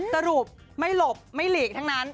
สรุปไม่หลบไม่หลีกทั้งนั้น